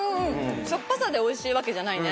しょっぱさでおいしいわけじゃないね。